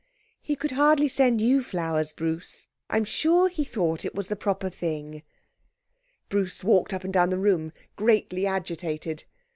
'He could hardly send you flowers, Bruce. I'm sure he thought it was the proper thing.' Bruce walked up and down the room greatly agitated.